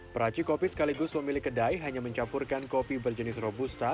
peraci kopi sekaligus pemilik kedai hanya mencampurkan kopi berjenis robusta